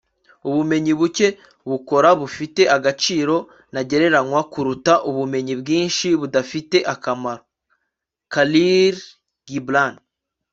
ubumenyi buke bukora bufite agaciro ntagereranywa kuruta ubumenyi bwinshi budafite akamaro. - khalil gibran